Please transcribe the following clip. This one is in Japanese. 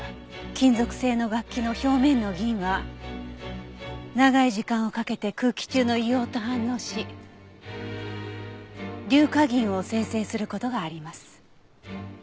金属製の楽器の表面の銀は長い時間をかけて空気中の硫黄と反応し硫化銀を生成する事があります。